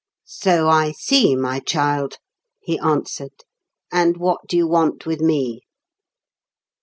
"So I see, my child," he answered. "And what do you want with me?"